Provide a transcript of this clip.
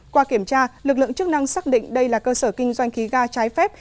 qua kiểm tra lực lượng chức năng xác định đây là cơ sở kinh doanh khí ga trái phép